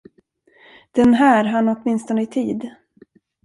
Den här hann åtminstone i tid.